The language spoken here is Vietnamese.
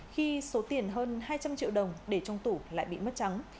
khi số tiền hơn hai trăm linh triệu đồng để trong tủ lại bị mất trắng